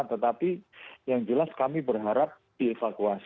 tetapi yang jelas kami berharap dievakuasi